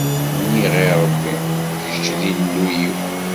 Nniɣ i Rebbi: Kečč d Illu-iw!